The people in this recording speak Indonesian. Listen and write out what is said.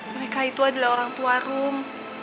mereka itu adalah orang tua room